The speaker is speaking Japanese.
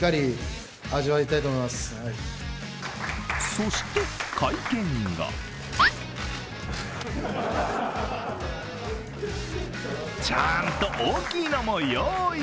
そして会見後ちゃんと大きいのも用意。